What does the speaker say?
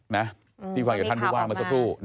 ท่านผู้ชมขึ้นพื้นว้างมีภาระ